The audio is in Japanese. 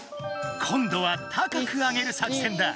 今度は高く上げる作戦だ。